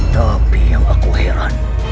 tapi yang aku heran